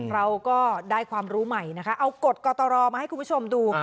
เราก็ได้ความรู้ใหม่นะคะเอากฎกตรมาให้คุณผู้ชมดู